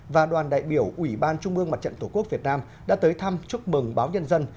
và đoàn đại biểu ủy ban trung mương mặt trận tổ quốc việt nam đã tới thăm chúc mừng báo nhân dân